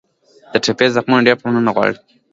د ټپي زخمونه ډېره پاملرنه غواړي.